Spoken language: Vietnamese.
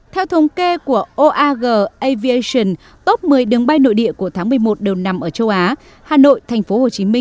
theo thống kê của oag aviation top một mươi đường bay nội địa của tháng một mươi một đều nằm ở châu á hà nội tp hcm